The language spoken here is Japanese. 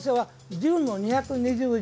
１０の２２０乗。